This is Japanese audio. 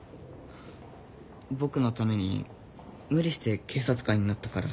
僕のために無理して警察官になったから。